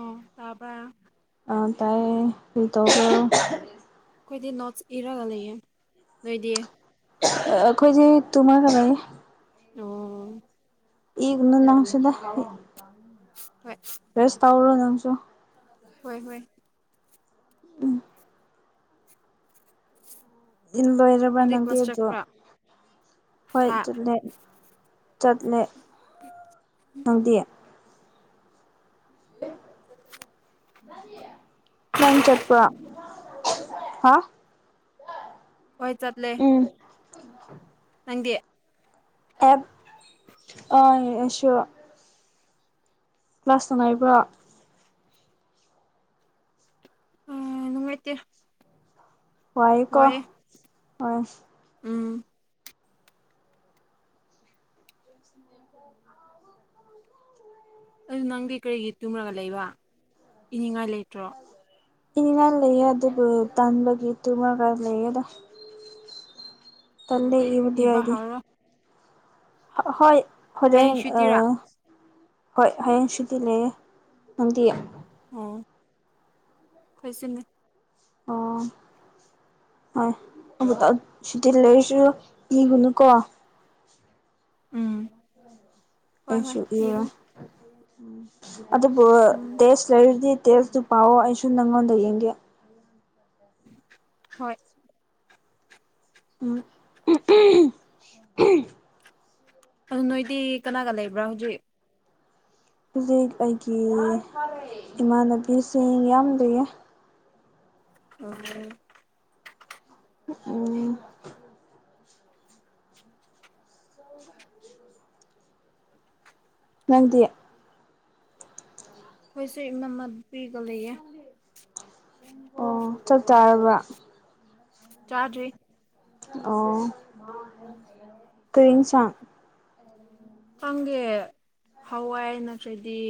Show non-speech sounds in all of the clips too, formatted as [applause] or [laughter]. ꯑꯥ ꯇꯥꯕꯔꯥ ꯑꯥ ꯇꯥꯏꯌꯦ ꯑꯗꯨꯝ ꯇꯥꯕꯔꯣ ꯑꯩꯈꯣꯏꯗꯤ ꯅꯣꯠꯁ ꯏꯔꯒ ꯂꯩꯌꯦ ꯅꯣꯏꯗꯤ ꯑꯩꯈꯣꯏꯗꯤ ꯇꯨꯝꯃꯒ ꯂꯩꯌꯦ ꯑꯣ ꯏꯒꯅꯨ ꯅꯪꯁꯨꯗ ꯍꯣꯏ ꯔꯦꯁ ꯇꯧꯔꯣ ꯅꯪꯁꯨ ꯍꯣꯏ ꯍꯣꯏ ꯎꯝ ꯏꯕ ꯂꯣꯏꯔꯕ ꯅꯪꯗꯤ ꯅꯪꯒꯤ ꯀ꯭ꯂꯥꯁ ꯑꯗꯣ ꯆꯠꯄ꯭ꯔꯥ ꯍꯣꯏ ꯍꯥ ꯆꯠꯂꯦ ꯆꯠꯂꯦ ꯅꯪꯗꯤ ꯅꯪ ꯆꯠꯄꯔꯥ ꯍꯥꯎ ꯍꯣꯏ ꯆꯠꯂꯦ ꯎꯝ ꯅꯪꯗꯤ ꯑꯦꯞ [unintelligible] ꯀ꯭ꯂꯥꯁꯇꯥ ꯂꯩꯕ꯭ꯔꯣ ꯑꯥ ꯅꯨꯡꯉꯥꯏꯇꯦ ꯋꯥꯏꯀꯣ ꯋꯥꯏꯌꯦ ꯑꯥ ꯎꯝ [unintelligible] ꯑꯗꯨ ꯅꯪꯗꯤ ꯀꯔꯤꯒꯤ ꯇꯨꯝꯂꯒ ꯂꯩꯕ ꯏꯅꯤꯡꯉꯥꯏ ꯂꯩꯇ꯭ꯔꯣ ꯏꯅꯤꯡꯉꯥꯏ ꯂꯩꯌꯦ ꯑꯗꯨꯕꯨ ꯇꯥꯟꯕꯒꯤ ꯇꯨꯝꯃꯒ ꯂꯩꯌꯦꯗ ꯇꯜꯂꯦ ꯏꯕꯗꯤ ꯏꯕ ꯑꯩꯗꯤ ꯍꯧꯔꯣ ꯍꯣꯏ ꯍꯌꯦꯡ ꯍꯣꯔꯦꯟ ꯁꯨꯇꯤꯔꯥ ꯑꯥ ꯍꯣꯏ ꯍꯌꯦꯡ ꯁꯨꯇꯤ ꯂꯩꯌꯦ ꯅꯪꯗꯤ ꯑꯣ ꯑꯩꯈꯣꯏꯁꯨꯅꯦ ꯑꯣ ꯍꯣꯏ ꯑꯃꯨꯛꯇꯪ ꯁꯨꯇꯤ ꯂꯩꯔꯁꯨ ꯏꯔꯨꯅꯨꯀꯣ ꯎꯝ ꯍꯣꯏ ꯍꯣꯏ ꯏꯔꯣꯏ ꯎꯝ ꯑꯗꯨꯕꯨ ꯎꯝ ꯇꯦꯁ ꯂꯩꯔꯗꯤ ꯇꯦꯁꯇꯨ ꯄꯥꯎꯑꯣ ꯑꯩꯁꯨ ꯅꯪꯉꯣꯟꯗꯩ ꯌꯦꯡꯒꯦ ꯍꯣꯏ ꯎꯝ ꯑꯗꯨ ꯅꯣꯏꯗꯤ ꯀꯅꯥꯒ ꯂꯩꯕ꯭ꯔꯥ ꯍꯧꯖꯤꯛ ꯍꯧꯖꯤꯛ ꯑꯩꯒꯤ ꯏꯃꯥꯟꯅꯕꯤꯁꯤꯡ ꯌꯥꯝ ꯂꯩꯌꯦ [unintelligible] ꯎꯝ ꯅꯪꯗꯤ ꯑꯩꯁꯨ ꯏꯅꯝꯃ ꯕꯤꯒ ꯂꯩꯌꯦ ꯑꯣ ꯆꯛ ꯆꯥꯔꯕ ꯆꯥꯗ꯭ꯔꯤ ꯑꯣ ꯀꯩ ꯍꯦꯟꯁꯥꯡ ꯈꯪꯗꯦ ꯍꯋꯥꯏ ꯅꯠꯇ꯭ꯔꯗꯤ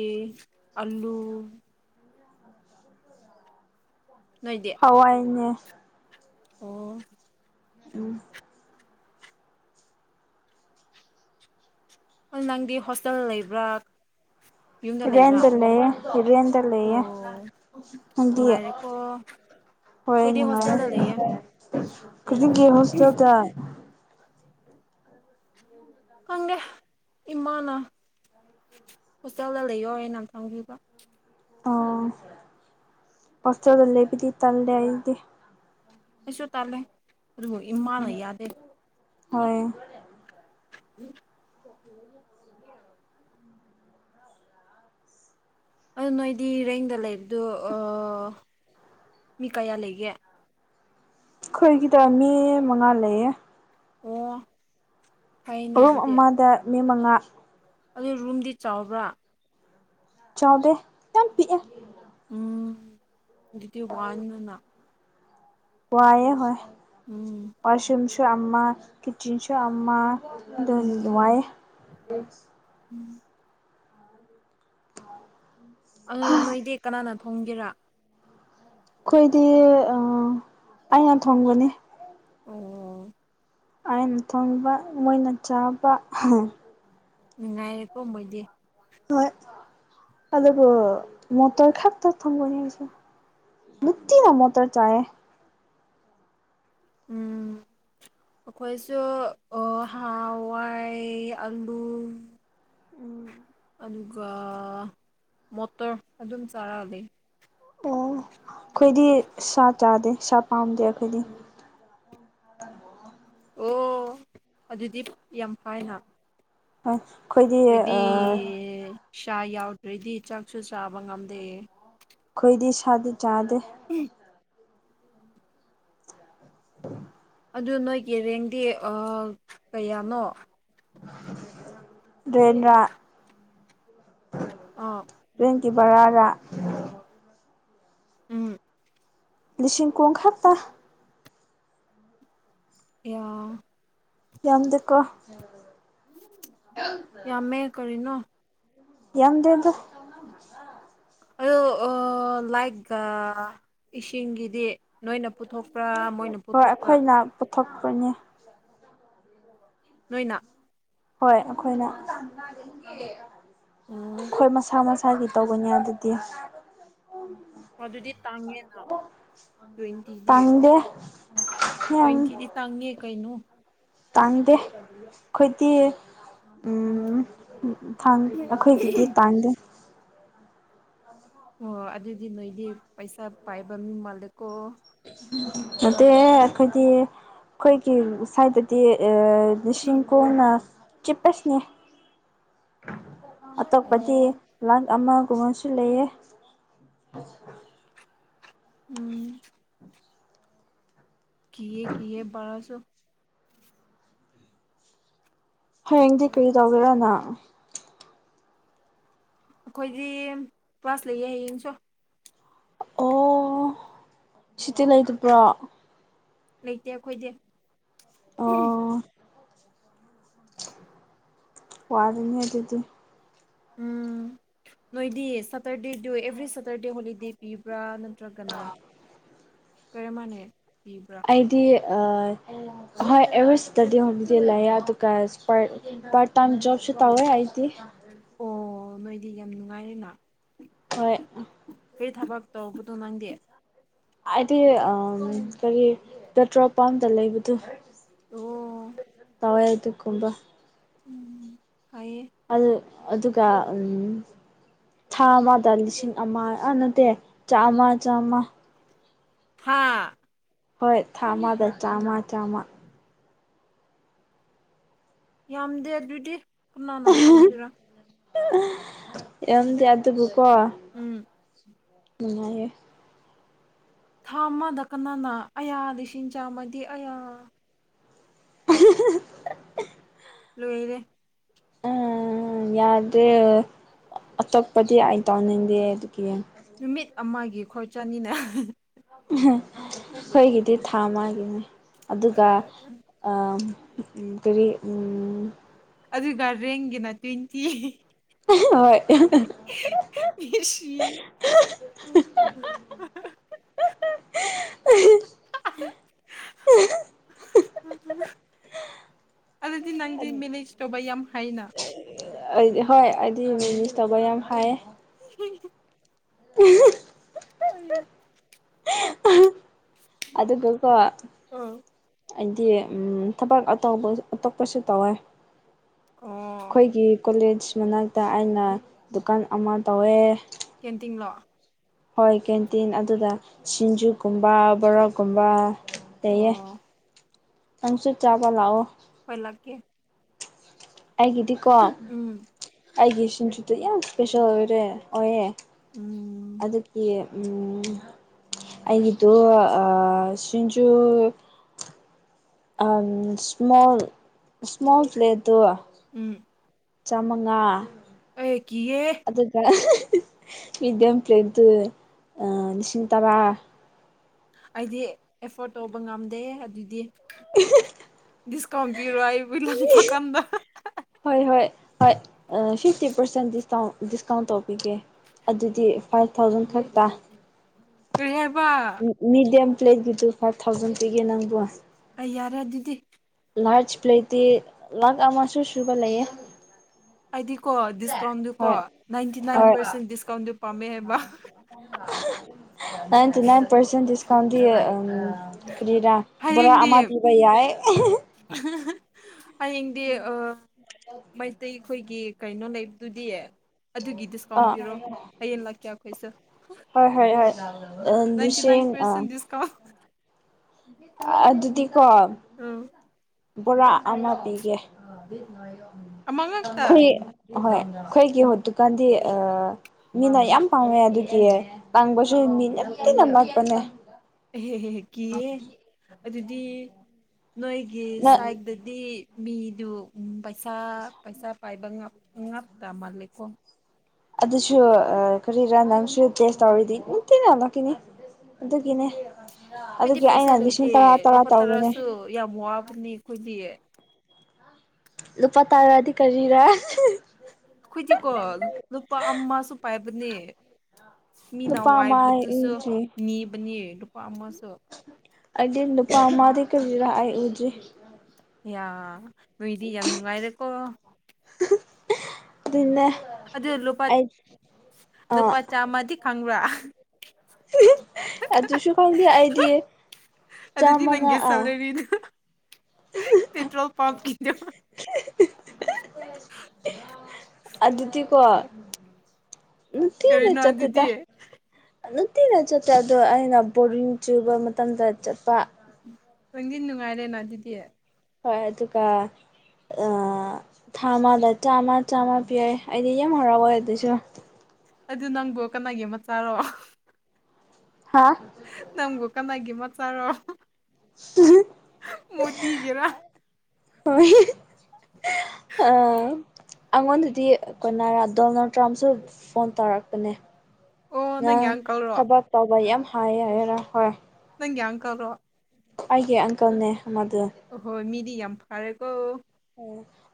ꯑꯂꯨ ꯅꯣꯏꯗꯤ ꯍꯋꯥꯏꯅꯦ ꯑꯣ ꯎꯝ ꯑꯣ ꯅꯪꯗꯤ ꯍꯣꯁꯇꯦꯜ ꯂꯩꯕ꯭ꯔꯥ ꯌꯨꯝꯗ ꯂꯩꯕ꯭ꯔꯥ ꯔꯦꯟꯗ ꯂꯩꯌꯦ ꯔꯦꯟꯗ ꯑꯣ ꯂꯩꯌꯦ ꯅꯪꯗꯤ ꯅꯨꯡꯉꯥꯏꯔꯦꯀꯣ ꯍꯣꯏ ꯑꯩꯈꯣꯏꯗꯤ ꯅꯨꯡꯉꯥꯏ ꯍꯣꯁꯇꯦꯜꯗ ꯂꯩꯌꯦ ꯀꯔꯤꯒꯤ ꯍꯣꯁꯇꯦꯜꯗ ꯈꯪꯗꯦ ꯏꯃꯥꯅ ꯍꯣꯁꯇꯦꯜꯗ ꯂꯩꯌꯣꯍꯥꯏꯅ ꯊꯝꯕꯤꯕ ꯑꯣ ꯍꯣꯁꯇꯦꯜꯗ ꯂꯩꯕꯗꯤ ꯇꯜꯂꯦ ꯑꯩꯗꯤ ꯑꯩꯁꯨ ꯇꯜꯂꯦ ꯑꯗꯨꯕꯨ ꯏꯃꯥꯅ ꯌꯥꯗꯦ ꯍꯣꯏ [unintelligible] [inaudible] ꯑꯗꯨ ꯅꯣꯏꯗꯤ ꯔꯦꯟꯗ ꯂꯩꯕꯗꯨ ꯑ ꯃꯤ ꯀꯌꯥ ꯂꯩꯒꯦ ꯑꯩꯈꯣꯏꯒꯤꯗ ꯃꯤ ꯃꯉꯥ ꯂꯩꯌꯦ ꯑꯣ ꯐꯩꯅ ꯔꯨꯝ ꯑꯗꯨꯗꯤ ꯑꯃꯗ ꯃꯤ ꯃꯉꯥ ꯑꯗꯨ ꯔꯨꯝꯗꯤ ꯆꯥꯎꯕ꯭ꯔꯥ ꯆꯥꯎꯗꯦ ꯌꯥꯝ ꯄꯤꯛꯑꯦ ꯎꯝ ꯑꯗꯨꯗꯤ ꯋꯥꯅꯤꯅ ꯋꯥꯏꯌꯦ ꯍꯣꯏ ꯎꯝ ꯋꯥꯁꯔꯨꯝꯁꯨ ꯑꯃ ꯀꯤꯠꯆꯟꯁꯨ ꯑꯃ ꯗꯨꯗꯤ ꯅꯨꯡꯉꯥꯌꯦ ꯎꯝ [inaudible] ꯑꯗꯨ ꯅꯣꯏꯗꯤ ꯀꯅꯥꯅ ꯊꯣꯡꯒꯦꯔꯥ ꯑꯩꯈꯣꯏꯗꯤ ꯑ ꯑꯩꯅ ꯊꯣꯡꯕꯅꯦ ꯑꯣ ꯑꯥꯏꯅ ꯊꯣꯡꯕ ꯃꯣꯏꯅ ꯆꯥꯕ ꯍ ꯅꯨꯡꯉꯥꯏꯔꯦꯀꯣ ꯃꯣꯏꯗꯤ ꯍꯣꯏ ꯑꯗꯨꯕꯨ ꯃꯣꯇꯔ ꯈꯛ ꯇ ꯊꯣꯡꯕꯅꯤ ꯑꯩꯁꯨ ꯅꯨꯡꯇꯤꯅ ꯃꯣꯇꯣꯔ ꯆꯥꯌꯦ ꯎꯝ [inaudible] ꯑꯩꯈꯣꯏꯁꯨ ꯑꯣ ꯍꯥꯋꯥꯏ ꯑꯂꯨ ꯎꯝ ꯑꯗꯨꯒ ꯃꯣꯇꯣꯔ ꯑꯗꯨꯝ ꯆꯥꯔ ꯂꯩ ꯑꯣ ꯈꯣꯏꯗꯤ ꯁꯥ ꯆꯥꯗꯦ ꯁꯥ ꯄꯥꯝꯗꯦ ꯑꯈꯣꯏꯗꯤ ꯑꯣ ꯑꯗꯨꯗꯤ ꯌꯥꯝ ꯐꯥꯏꯅ ꯑꯁ ꯈꯣꯏꯗꯤ ꯈꯣꯏꯗꯤ ꯁꯥ ꯌꯥꯎꯗ꯭ꯔꯗꯤ ꯆꯥꯛꯁꯨ ꯆꯥꯕ ꯉꯝꯗꯦ ꯈꯣꯏꯗꯤ ꯁꯥꯗꯤ ꯆꯥꯗꯦ [unintelligible] [inaudible] ꯑꯗꯨ ꯅꯣꯏꯒꯤ ꯔꯦꯡꯗꯤ ꯑꯥ ꯀꯌꯥꯅꯣ ꯔꯦꯟꯔꯥ ꯑꯥ ꯔꯦꯟꯒꯤ ꯕꯔꯥꯔ ꯎꯝ ꯂꯤꯁꯤꯡ ꯀꯨꯟꯈꯛꯇ ꯏꯌꯥ ꯌꯥꯝꯗꯦꯀꯣ ꯌꯥꯝꯃꯦ ꯀꯔꯤꯅꯣ ꯌꯥꯝꯗꯦꯗ ꯑꯗꯣ ꯑ ꯂꯥꯏꯇꯒ ꯏꯁꯤꯡꯒꯤꯗꯤ ꯅꯣꯏꯅ ꯄꯨꯊꯣꯛꯄ꯭ꯔꯥ ꯃꯣꯏꯅ ꯍꯣꯏ ꯄꯨꯊꯣꯛꯄ꯭ꯔꯥ ꯑꯩꯈꯣꯏꯅ ꯄꯨꯊꯣꯛꯄꯅꯦ ꯅꯣꯏꯅ ꯍꯣꯏ ꯑꯈꯣꯏꯅ ꯎꯝ ꯑꯈꯣꯏ ꯃꯁꯥ ꯃ ꯁꯥꯒꯤ ꯇꯧꯕꯅꯦ ꯑꯗꯨꯗꯤ ꯑꯣ ꯑꯗꯨꯗꯤ ꯇꯥꯡꯉꯦꯅ ꯇ꯭ꯋꯦꯟꯇꯤꯗꯤ ꯗꯦ ꯇ꯭ꯋꯦꯟꯇꯤꯗꯤ ꯇꯥꯡꯉꯦ ꯀꯩꯅꯣ ꯇꯥꯡꯗꯦ ꯈꯣꯏꯗꯤ ꯇꯥꯡꯉꯦ꯫ ꯎꯝ ꯊꯥꯡ ꯑꯩꯈꯣꯏꯒꯤꯗꯤ ꯇꯥꯡꯗꯦ ꯑꯣ ꯑꯗꯨꯗꯤ ꯅꯣꯏꯗꯤ ꯄꯩꯁꯥ ꯄꯥꯏꯕ ꯃꯤ ꯃꯥꯜꯂꯦꯀꯣ ꯅꯠꯇꯦꯍꯦ ꯑꯈꯣꯏꯗꯤ ꯈꯣꯏꯒꯤ ꯁꯥꯏꯗ ꯗꯤ ꯑ ꯂꯤꯁꯤꯡ ꯀꯨꯟꯅ ꯆꯤꯞꯄꯦꯁꯅꯤ ꯑꯇꯣꯞꯄꯗꯤ ꯑꯣ ꯂꯥꯛ ꯑꯃꯒꯨꯝꯕꯁꯨ ꯂꯩꯌꯦ ꯎꯝ ꯀꯤꯌꯦ ꯀꯤꯌꯦ ꯕꯔꯥꯁꯨ ꯍꯌꯦꯡꯗꯤ ꯀꯔꯤ ꯇꯧꯒꯦꯔꯥ ꯅꯪ ꯑꯈꯣꯏꯗꯤ ꯀ꯭ꯂꯥꯁ ꯂꯩꯌꯦ ꯍꯌꯦꯡꯁꯨ ꯑꯣ ꯁꯨꯇꯤ ꯂꯩꯇꯕ꯭ꯔꯣ ꯂꯩꯇꯦ ꯑꯈꯣꯏꯗꯤ ꯋꯥꯔꯤꯅꯦ ꯑꯗꯨꯗꯤ ꯎꯝ ꯅꯣꯏꯗꯤ ꯁꯇꯔꯗꯦꯗꯨ ꯑꯦꯚ꯭ꯔꯤ ꯁꯦꯇꯔꯗꯦ ꯍꯣꯂꯤꯗꯦ ꯄꯤꯕ꯭ꯔꯥ ꯅꯠ ꯇ꯭ꯔꯒꯅ ꯀꯔꯝꯃꯥꯏꯅ ꯄꯤꯕ꯭ꯔꯥ ꯑꯩꯗꯤ ꯑ ꯍꯣꯏ ꯑꯦꯕ꯭ꯔꯤ ꯁꯠꯇꯔꯗꯦ ꯍꯣꯂꯤꯗꯦ ꯂꯩꯌꯦ ꯑꯗꯨꯒ ꯏꯁꯄꯥꯔꯠ ꯄꯥꯔꯠ ꯇꯥꯏꯝ ꯖꯣꯕꯁꯨ ꯇꯧꯋꯦ ꯑꯩꯗꯤ ꯑꯣ ꯅꯣꯏꯗꯤ ꯌꯥꯝ ꯅꯨꯡꯉꯥꯏꯔꯦꯅ ꯍꯣꯏ ꯀꯩ ꯊꯕꯛ ꯇꯧꯕꯗꯣ ꯅꯪꯗꯤ ꯑꯥꯏꯗꯤ ꯑ ꯀꯔꯤ ꯄꯦꯇ꯭ꯔꯣꯜ ꯄꯝꯇ ꯂꯩꯕꯗꯨ ꯑꯣ ꯍꯣꯏ ꯑꯗꯨꯒꯨꯝꯕ ꯎꯝ ꯍꯥꯏꯌꯦ ꯑꯗꯨ ꯑꯗꯨꯒ ꯎꯝ ꯊꯥ ꯑꯃꯗ ꯂꯤꯁꯤꯡ ꯑꯃꯥ ꯑꯥ ꯅꯠꯇꯦ ꯆꯥꯝꯃ ꯆꯥꯝꯃ ꯍꯥꯥ ꯍꯣꯏ ꯊꯥ ꯑꯃꯗ ꯆꯥꯝꯃ ꯆꯥꯝꯃ ꯌꯥꯝꯗꯦ ꯑꯗꯨꯗꯤ ꯀꯅꯥꯅ ꯇꯧꯒꯤꯔꯥ ꯌꯥꯝꯗꯦ ꯑꯗꯨꯕꯨ ꯀꯣ ꯎꯝ ꯅꯨꯉꯥꯏꯌꯦ ꯊꯥ ꯑꯃꯥꯗ ꯀꯅꯥꯅ ꯑꯌꯥ ꯂꯤꯁꯤꯡ ꯆꯥꯝꯃꯗꯤ ꯑꯌꯥ [unintelligible] ꯂꯣꯏꯔꯦ ꯌꯥꯗꯦꯜ ꯑꯇꯣꯞꯄꯗꯤ ꯑꯥꯏ ꯇꯥꯎꯅꯤꯡꯗꯦ ꯑꯗꯨꯒꯤ ꯅꯨꯃꯤꯠ ꯑꯃꯥꯒꯤ ꯈꯣꯏ ꯆꯠꯅꯤꯅꯣ ꯑꯈꯣꯏꯒꯤꯗꯤ ꯊꯥ ꯑꯃꯥꯒꯤꯅꯦ ꯑꯗꯨꯒ ꯑꯥ ꯎꯝ ꯀꯔꯤ ꯎꯝ ꯑꯗꯨ ꯒ꯭ꯥꯔꯗꯦꯟꯒꯤꯅ ꯇ꯭ꯋꯦꯟꯇꯤ ꯍꯣꯏ [unintelligible] [unintelligible] ꯑꯗꯨꯗꯤ ꯅꯪꯗꯤ ꯃꯦꯅꯦꯖ ꯇꯧꯕ ꯌꯥꯝ ꯍꯩꯅ ꯑꯩꯗꯤ ꯍꯣꯏ ꯑꯩꯗꯤ ꯃꯤꯅꯤꯁ ꯇꯧꯕ ꯌꯥꯝ ꯍꯥꯏꯌꯦ [unintelligible] [unintelligible] ꯑꯣꯏꯌꯣ ꯑꯗꯨꯒꯀꯣ ꯑꯩꯗꯤ ꯎꯝ ꯊꯕꯛ ꯑꯇꯣꯞꯄ ꯑꯇꯣꯞꯄꯁꯨ ꯇꯧꯋꯦ ꯑꯣ ꯈꯣꯏꯒꯤ ꯀꯣꯂꯦꯖ ꯃꯅꯥꯛꯇ ꯑꯩꯅ ꯗꯨꯀꯥꯟ ꯑꯃꯥ ꯇꯧꯋꯦ ꯀꯦꯟꯇꯤꯟꯂꯣ ꯍꯣꯏ ꯀꯦꯟꯇꯤꯟ ꯑꯗꯨꯗ ꯁꯤꯡꯖꯨꯀꯨꯝꯕ ꯕꯣꯔꯥꯀꯨꯝꯕ ꯇꯩꯌꯦ ꯑꯣ ꯅꯪꯁꯨ ꯆꯥꯕ ꯂꯥꯛꯑꯣ ꯍꯣꯏ ꯂꯥꯛꯀꯦ ꯑꯩꯒꯤꯗꯤꯀꯣ ꯎꯝ ꯑꯩꯒꯤ ꯁꯤꯡꯖꯨꯗꯨ ꯌꯥꯝ ꯏꯁꯄꯦꯁꯦꯜ ꯑꯣꯏꯔꯦ ꯑꯣꯏꯌꯦ ꯎꯝ ꯑꯗꯨꯒꯤ ꯎꯝ ꯑꯩꯒꯤꯗꯨ ꯑꯥ ꯁꯤꯡꯖꯨ ꯑꯝ ꯁ꯭ꯃꯣꯜ ꯁ꯭ꯃꯣꯜ ꯄ꯭ꯂꯦꯠꯇꯣ ꯎꯝ ꯆꯥꯝꯃꯉꯥ ꯑꯩ ꯀꯤꯌꯦꯍꯦ ꯑꯗꯨꯒ ꯃꯤꯗꯤꯌꯝ ꯄ꯭ꯂꯦꯠꯇ ꯑꯥ ꯂꯤꯁꯤꯡ ꯇꯔꯥ ꯑꯩꯗꯤ ꯑꯦꯐꯣꯔꯠ ꯇꯧꯕ ꯉꯝꯗꯦ ꯍꯦ ꯑꯗꯨꯗꯤ [unintelligible] ꯗꯤꯁꯀꯥꯎꯟ ꯄꯤꯔꯣ ꯑꯩꯕꯨ ꯂꯛꯄꯥ ꯀꯥꯟꯗ ꯍꯣꯏ ꯍꯣꯏ ꯍꯣꯏ ꯑꯥ ꯐꯤꯐꯇꯤ ꯄꯥꯔꯁꯦꯟ ꯗꯤꯁꯀꯥꯎ ꯗꯤꯁꯀꯥꯎꯟ ꯇꯧꯕꯤꯒꯦ ꯑꯗꯨꯗꯤ ꯐꯥꯏꯚ ꯊꯥꯎꯖꯟ ꯈꯛꯇ ꯀꯔꯤ ꯍꯥꯏꯕ ꯃꯤꯗ꯭ꯌꯝ ꯄ꯭ꯂꯦꯠꯀꯤꯗꯨ ꯐꯥꯏꯚ ꯊꯥꯎꯖꯟ ꯄꯤꯒꯦ ꯅꯪꯕꯣ ꯑꯩ ꯌꯥꯔꯦ ꯑꯗꯨꯗꯤ ꯂꯥꯔꯖ ꯄ꯭ꯂꯦꯠꯇꯤ ꯂꯥꯛ ꯑꯃꯥꯁꯨ ꯁꯨꯕ ꯂꯩꯌꯦ ꯑꯩꯗꯤꯀꯣ ꯗꯤꯁꯀꯥꯎꯟꯗꯨ ꯀꯣ ꯍꯣꯏ ꯅꯥꯏꯟꯇꯤ ꯅꯥꯏꯟ ꯍꯣꯏ ꯄꯥꯔꯁꯦꯟ ꯗꯤꯁꯀꯥꯎꯟꯗꯨ ꯄꯥꯝꯃꯦ ꯍꯥꯏꯕ ꯅꯥꯏꯟꯇꯤ ꯅꯥꯏꯟ ꯄꯔꯁꯦꯟ ꯗꯤꯁꯀꯥꯎꯟꯗꯤ ꯎꯝ ꯀꯔꯤꯔꯥ ꯕꯣꯔꯥ ꯍꯌꯦꯡꯗꯤ ꯑꯃꯥ ꯄꯤꯕ ꯌꯥꯏ ꯍꯌꯦꯡꯗꯤ ꯑꯥ ꯃꯩꯇꯩ ꯑꯩꯈꯣꯏꯒꯤ ꯀꯩꯅꯣ ꯂꯩꯕꯗꯨꯗꯤ ꯑꯗꯨꯒꯤ ꯗꯤꯁꯀꯥꯎꯟ ꯑꯥ ꯄꯤꯔꯣ ꯍꯌꯦꯡ ꯂꯥꯛꯀꯦ ꯑꯩꯈꯣꯏꯁꯨ ꯍꯣꯏ ꯍꯣꯏ ꯍꯣꯏ ꯑ ꯂꯤꯁꯤꯡ ꯑ ꯀꯥꯎ ꯑꯥ ꯑꯗꯨꯗꯤꯀꯣ ꯎꯝ ꯕꯣꯔꯥ ꯑꯃ ꯄꯤꯒꯦ ꯑꯃ ꯉꯛꯇ ꯑꯈꯨꯢ ꯑꯍꯣꯏ ꯑꯩꯈꯣꯏꯒꯤ ꯍꯧꯗꯤꯛ ꯀꯥꯟꯗꯤ ꯑ ꯃꯤ ꯌꯥꯝ ꯄꯥꯝꯃꯦ ꯑꯗꯨꯒꯤ ꯇꯥꯡꯕꯁꯨ ꯃꯤ ꯌꯥꯝ ꯇꯤꯅ ꯂꯥꯛꯄꯅꯦ ꯑꯦꯍꯦꯍꯦ ꯀꯤꯑꯦ ꯑꯗꯨꯗꯤ ꯅꯣꯏꯒꯤ ꯅ ꯁꯥꯏꯗ ꯗꯤ ꯃꯤꯗꯨ ꯎꯝ ꯄꯩꯁꯥ ꯄꯩꯁꯥ ꯄꯥꯏꯕ ꯉꯥꯞ ꯉꯥꯛꯇꯥ ꯃꯜꯂꯦꯀꯣ ꯑꯗꯨꯁꯨ ꯑꯥ ꯀꯔꯤꯔꯥ ꯅꯪꯁꯨ ꯇꯦꯁ ꯇꯧꯔꯤꯗꯤ ꯅꯨꯡꯇꯤꯅ ꯂꯛ ꯀꯅꯤ ꯑꯗꯨꯒꯤꯅꯦ ꯑꯩꯈꯣꯏꯗꯤ ꯑꯗꯨꯒꯤ ꯄꯩꯁꯥ ꯑꯩꯅ ꯂꯤꯁꯤꯡ ꯂꯩꯇꯦ ꯇꯔꯥ ꯇꯔꯥ ꯂꯨꯄꯥ ꯇꯧꯕꯅꯦ ꯇꯔꯥꯁꯨ ꯌꯥꯝ ꯋꯥꯕꯅꯤ ꯑꯩꯈꯣꯏꯗꯤ ꯂꯨꯄꯥ ꯇꯥꯔꯗꯤ ꯀꯔꯤꯔ ꯑꯩꯈꯣꯏꯗꯤꯀꯣ ꯂꯨ ꯂꯨꯄꯥ ꯑꯃꯁꯨ ꯄꯥꯏꯕꯅꯦ ꯃꯤꯅ ꯅꯨꯄꯥ ꯑꯃ ꯑꯩ ꯋꯥꯏꯕꯗꯨꯁꯨ ꯎꯗ꯭ꯔꯤ ꯅꯤꯕꯅꯤ ꯂꯨꯄꯥ ꯑꯃꯁꯨ ꯑꯩꯗꯤ ꯅꯨꯄꯥ ꯑꯃꯗꯤ ꯀꯔꯤꯔ ꯑꯩ ꯎꯗ꯭ꯔꯤ ꯑꯌꯥ ꯅꯣꯏꯗꯤ ꯌꯥꯝ ꯅꯨꯡꯉꯥꯏꯔꯦꯀꯣ ꯑꯗꯨꯢꯅꯦ ꯑꯗꯨ ꯂꯨꯄꯥ ꯑꯥ ꯂꯨꯄꯥ ꯆꯥꯝꯃꯗꯤ ꯈꯪꯕ꯭ꯔꯥ ꯑꯗꯨꯁꯨ ꯈꯪꯗꯦ ꯑꯩꯗꯤ ꯆꯥꯃꯉꯥ ꯑ ꯄꯤꯗꯨ ꯄꯦꯇ꯭ꯔꯣꯜ ꯄꯝꯒꯤꯗꯨ ꯑꯗꯨꯗꯤꯀꯣ ꯅꯤꯡꯊꯤꯅꯥ ꯀꯔꯤꯅꯣ ꯆꯠꯇꯦꯗ ꯑꯗꯨꯗꯤ ꯅꯨꯇꯤꯅ ꯆꯠꯇꯔꯗꯨ ꯑꯩꯅ ꯕꯣꯔꯤꯡ ꯆꯨꯕ ꯃꯇꯝꯗ ꯆꯠꯄ ꯅꯪꯗꯤ ꯅꯨꯡꯉꯥꯏꯔꯦꯅ ꯑꯗꯨꯗꯤ ꯍꯣꯢ ꯑꯗꯨꯒ ꯑ ꯊꯥ ꯑꯃꯗ ꯆꯥꯝꯃ ꯆꯥꯝꯃ ꯄꯤꯌꯦ ꯑꯩꯗꯤ ꯌꯥꯝ ꯍꯔꯥꯎꯋꯦ ꯑꯗꯨꯁꯨ ꯑꯗꯨ ꯅꯪꯕꯨ ꯀꯅꯥꯒꯤ ꯃꯆꯥꯥꯔꯣ ꯍꯥꯥ ꯅꯪꯕꯨ ꯀꯅꯥꯒꯤ ꯃꯆꯥꯔꯣ ꯃꯣꯔꯇꯤꯒꯤꯔꯥ ꯍꯣꯢ [unintelligible] ꯑꯥ ꯑꯩꯉꯣꯟꯗꯗꯤ ꯀꯣꯏꯅ ꯗꯣꯅꯥꯜ ꯇ꯭ꯔꯝꯁꯨ ꯐꯣꯟ ꯇꯧꯔꯛꯄꯅꯦ ꯑꯣ ꯅꯪ ꯅꯪꯒꯤ ꯑꯪꯀꯜꯔꯣ ꯊꯕꯛ ꯇꯧꯕ ꯌꯥꯝ ꯍꯥꯏ ꯍꯥꯏꯌꯦ ꯍꯥꯢꯗꯅ ꯍꯣꯏ ꯅꯪꯒꯤ ꯑꯪꯀꯜꯔꯣ ꯑꯩꯒꯤ ꯑꯪꯀꯜꯅꯦ ꯑꯃꯗꯨ ꯑꯍꯣꯏ ꯃꯤꯗꯤ ꯌꯥꯝ ꯐꯔꯦꯀꯣ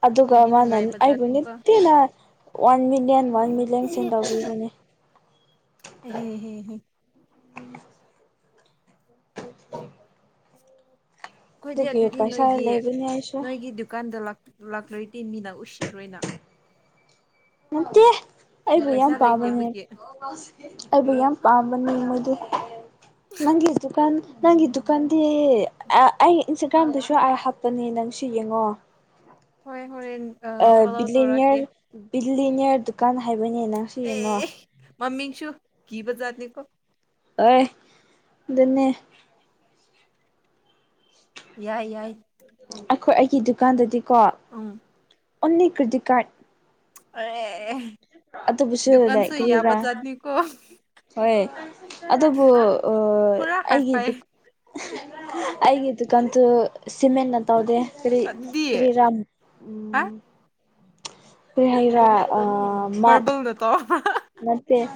ꯑꯗꯨꯒ ꯃꯤꯗꯤ ꯃꯥꯅ ꯅꯨꯡꯉꯥꯏꯕ ꯑꯩꯕꯨ ꯖꯥꯠꯅꯤꯀꯣ ꯅꯨꯡꯇꯤꯅ ꯋꯥꯟ ꯃꯤꯂꯤꯌꯟ ꯋꯥꯟ ꯃꯤꯂꯤꯌꯟ ꯁꯦꯟ ꯇꯧꯕꯤꯕꯅꯦ [unintelligible] ꯑꯩꯈꯣꯏꯗꯤ ꯑꯗꯨꯒꯤ ꯑꯗꯨꯗꯤ ꯄꯩꯁꯥ ꯅꯣꯏꯒꯤ ꯂꯩꯕꯅꯦ ꯑꯩꯁꯨ ꯅꯣꯏꯒꯤ ꯗꯨꯀꯥꯟꯗ ꯂꯥꯛ ꯂꯥꯛꯔꯗꯤ ꯃꯤꯅ ꯎꯁꯤꯠ ꯔꯣꯏꯅ ꯅꯠꯇꯦ ꯑꯩꯕꯨ ꯌꯥꯝ ꯄꯩꯁꯥ ꯄꯥꯕꯅꯦ ꯂꯩꯇꯕꯒꯤ ꯑꯩꯕꯨ ꯌꯥꯝ ꯄꯥꯝꯕ ꯅꯤ ꯃꯥꯗꯨ ꯅꯪꯒꯤ ꯗꯨꯀꯥꯟ ꯅꯪꯒꯤ ꯗꯨꯀꯥꯟꯗꯤ ꯑꯥ ꯑꯩ ꯏꯟꯁꯇꯥꯒ꯭ꯔꯥꯝꯗꯁꯨ ꯄꯅꯤ ꯅꯪꯁꯨ ꯌꯦꯡꯉꯣ ꯍꯣꯏ ꯍꯣꯔꯦꯟ ꯑ ꯐꯣꯂꯣ ꯇꯧꯔꯛꯀꯦ ꯕꯤꯅꯤꯌꯔ ꯕꯤꯂꯤꯅꯤꯌꯔ ꯗꯨꯀꯥꯟ ꯍꯥꯏꯕꯅꯤꯅ ꯑꯦ ꯃꯥꯃꯤꯡꯁꯨ ꯀꯤꯕꯖꯥꯠꯅꯤꯀꯣ ꯍꯣꯏ ꯑꯗꯨꯅꯦ ꯌꯥꯏ ꯌꯥꯏ ꯑꯩꯈꯣꯏ ꯑꯩꯒꯤ ꯗꯨꯀꯥꯟꯗꯗꯤꯀꯣ ꯎꯝ ꯑꯣꯟꯂꯤ ꯀ꯭ꯔꯦꯗꯤꯠ ꯀꯥꯔꯠ ꯑꯗꯨꯕꯨꯁꯨ ꯗꯨꯀꯥꯟꯁꯨ ꯂꯥꯏꯛ ꯀꯔꯤꯔꯥ ꯌꯥꯕꯖꯥꯠꯅꯤꯀꯣ ꯍꯣꯏ ꯑꯗꯨꯕꯨ ꯄꯨꯔꯥ ꯍꯥꯏꯐꯥꯏ ꯑꯩꯒꯤꯗꯨ ꯑꯩꯒꯤ ꯗꯨꯀꯥꯟꯗꯨ ꯁꯤꯃꯦꯟꯅ ꯇꯧꯗꯦ ꯀꯔꯤ ꯀꯔꯤ ꯑꯗꯨꯗꯤ ꯀꯔꯤꯔꯥ ꯎꯝ ꯍꯥ ꯀꯔꯤ ꯍꯥꯢꯒꯦꯔ ꯑꯥ ꯃꯥꯔꯕꯜꯅ ꯇꯧꯕ꯭ꯔꯥ ꯅꯠꯇꯦ